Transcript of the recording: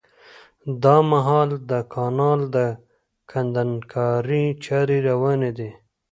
دا مهال د کانال د کندنکارۍ چاري رواني دي